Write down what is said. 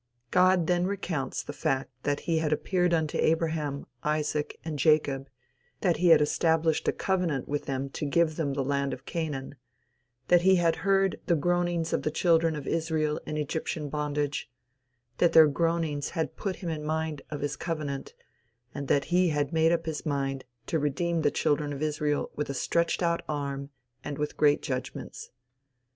God then recounts the fact that he had appeared unto Abraham, Isaac and Jacob, that he had established a covenant with them to give them the land of Canaan, that he had heard the groanings of the children of Israel in Egyptian bondage; that their groanings had put him in mind of his covenant, and that he had made up his mind to redeem the children of Israel with a stretched out arm and with great judgments.